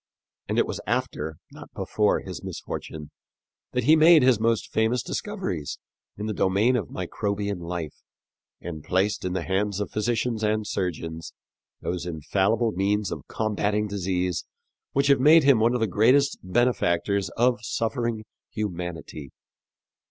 And it was after, not before, his misfortune that he made his most famous discoveries in the domain of microbian life, and placed in the hands of physicians and surgeons those infallible means of combatting disease which have made him one of the greatest benefactors of suffering humanity.